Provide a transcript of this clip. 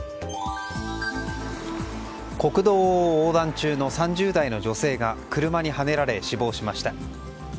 国道を横断中の３０代の女性が車にはねられ死亡しました。